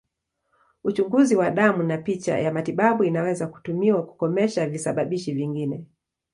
Uchunguzi wa damu na picha ya matibabu inaweza kutumiwa kukomesha visababishi vingine.